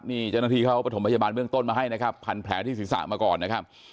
นี่เจ้าหน้าที่เขาประถมพยาบาลเบื้องต้นมาให้นะครับพันแผลที่ศีรษะมาก่อนนะครับ